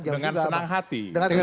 dengan senang hati